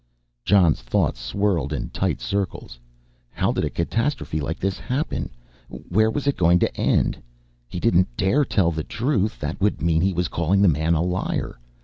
Jon's thoughts swirled in tight circles. How did a catastrophe like this happen, where was it going to end? He didn't dare tell the truth, that would mean he was calling the man a liar.